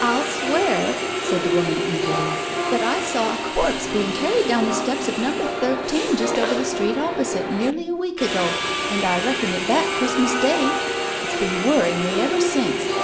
"I'll swear," said the woman eagerly, "that I saw a corpse being carried down the steps of number thirteen just over the street opposite nearly a week ago, and I reckon it back Christmas Day !... It's been worrying me ever since.